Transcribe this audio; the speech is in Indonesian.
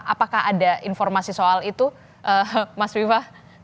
apakah ada informasi soal itu mas riva